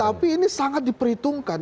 tapi ini sangat diperhitungkan